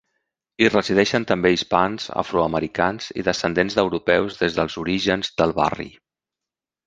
Hi resideixen també hispans, afroamericans i descendents d'europeus des dels orígens del barri.